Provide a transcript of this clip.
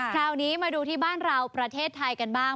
คราวนี้มาดูที่บ้านเราประเทศไทยกันบ้าง